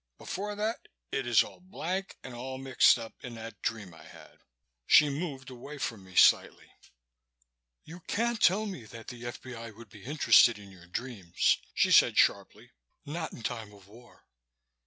Before that it is all blank and all mixed up in that dream I had." She moved away from me, slightly. "You can't tell me that the F.B.I. would be interested in your dreams," she said sharply. "Not in time of war."